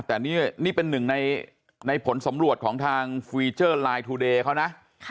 แต่นี่เป็นหนึ่งในผลสำรวจของทางฟีเจอร์ไลน์ทูเดย์เขานะ